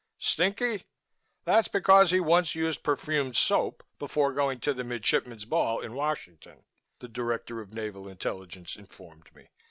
"Stinky? That's because he once used perfumed soap before going to the Midshipmen's Ball in Washington," the Director of Naval Intelligence informed me.